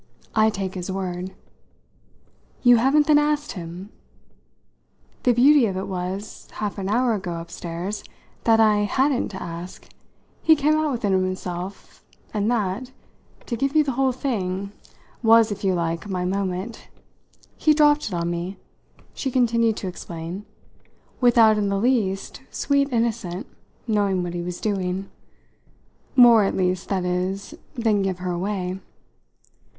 "I take his word." "You haven't then asked him?" "The beauty of it was half an hour ago, upstairs that I hadn't to ask. He came out with it himself, and that to give you the whole thing was, if you like, my moment. He dropped it on me," she continued to explain, "without in the least, sweet innocent, knowing what he was doing; more, at least, that is, than give her away."